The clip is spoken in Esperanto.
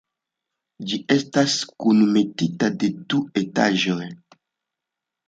Ĝi estas kunmetita de du etaĝoj.